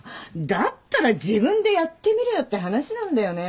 だったら自分でやってみろよって話なんだよね。